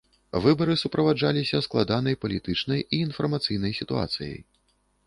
Выбары суправаджаліся складанай палітычнай і інфармацыйнай сітуацыяй.